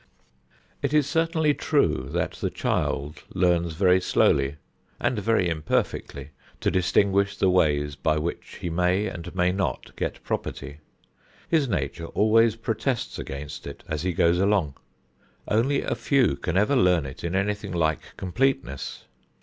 It is certainly true that the child learns very slowly and very imperfectly to distinguish the ways by which he may and may not get property. His nature always protests against it as he goes along. Only a few can ever learn it in anything like completeness.